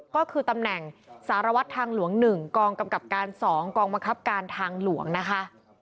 ก็คือตำแหน่งสารวัตรทางหลวง๑กองกำกับการ๒กองบังคับการทางหลวงนะคะ